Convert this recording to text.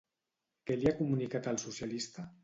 Què li ha comunicat al socialista?